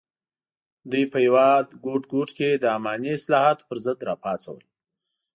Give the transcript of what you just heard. دوی په هېواد ګوټ ګوټ کې د اماني اصلاحاتو پر ضد راپاڅول.